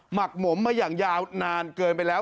หักหมมมาอย่างยาวนานเกินไปแล้ว